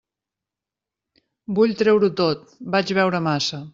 Vull treure-ho tot: vaig beure massa.